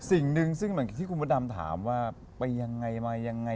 สิ่งหนึ่งที่คุณพระธรรมถามว่าไปอย่างไรมาอย่างไร